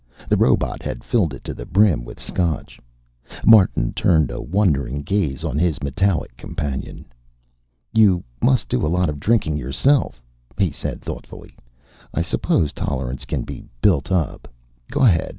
The robot had filled it to the brim with Scotch. Martin turned a wondering gaze on his metallic companion. "You must do a lot of drinking yourself," he said thoughtfully. "I suppose tolerance can be built up. Go ahead.